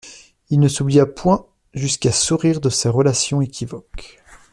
Il ne s'oublia point jusqu'à sourire de ces relations équivoques.